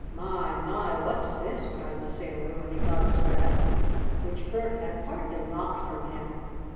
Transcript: "My! My! What's this?" cried the sailor, when he got his breath, which Bert had partly knocked from him.